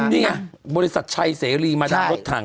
นี่ไงบริษัทชัยเสรีมานั่งรถถัง